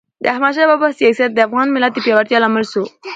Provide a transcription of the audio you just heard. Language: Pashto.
د احمد شاه بابا سیاست د افغان ملت د پیاوړتیا لامل سو.